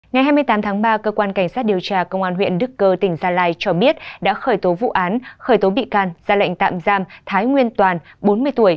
ngày hai mươi tám tháng ba cơ quan cảnh sát điều tra công an huyện đức cơ tỉnh gia lai cho biết đã khởi tố vụ án khởi tố bị can ra lệnh tạm giam thái nguyên toàn bốn mươi tuổi